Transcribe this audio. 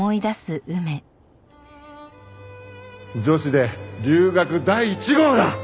女子で留学第一号だ！